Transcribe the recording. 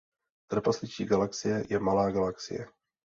Trpasličí galaxie je malá galaxie.